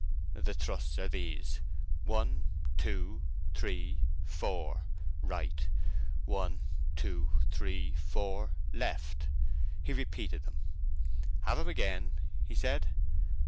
The thrusts are these: one, two, three, four, right; one, two, three, four, left." He repeated them. "Have 'em again?" he said.